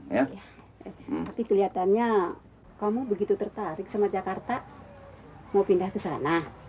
tapi kelihatannya kamu begitu tertarik sama jakarta mau pindah ke sana